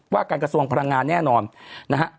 การกระทรวงพลังงานแน่นอนนะฮะ